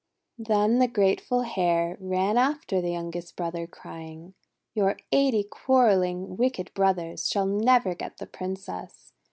Then the grateful Hare ran after the young est brother, crying: 'Your eighty quarrelling, wicked brothers shall never get the Princess.